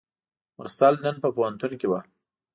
مرسل نن په پوهنتون کې وه.